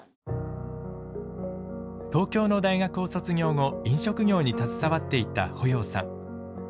東京の大学を卒業後飲食業に携わっていた保要さん。